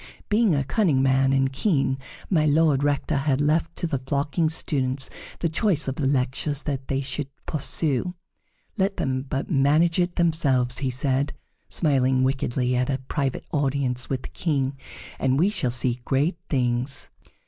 Being a cunning man and keen, My Lord Rector had left to the flocking students the choice of the lectures that they should pursue. "Let them but manage it themselves," he said, smiling wickedly, at a private audience with the King, "and we shall see great things."